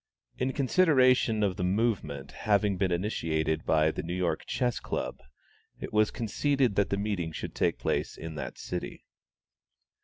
"[A] In consideration of the movement having been initiated by the New York Chess Club, it was conceded that the meeting should take place in that city.